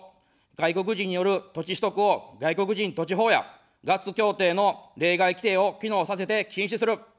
外国人による土地取得を外国人土地法やガッツ協定の例外規定を機能させて禁止する。